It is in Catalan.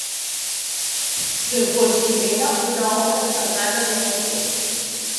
Se'l considera una obra tardana de l'autor.